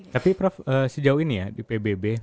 tapi prof sejauh ini ya di pbb